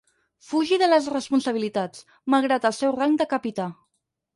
Fugi de les responsabilitats, malgrat el seu rang de capità.